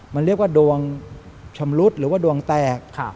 มันเรียกว่าดวงชมรุตดวงแตก